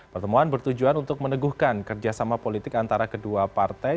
pertemuan bertujuan untuk meneguhkan kerjasama politik antara kedua partai